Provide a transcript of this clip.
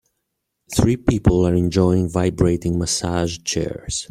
Three people are enjoying vibrating massage chairs.